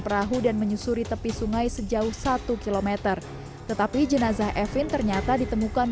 perahu dan menyusuri tepi sungai sejauh satu km tetapi jenazah evin ternyata ditemukan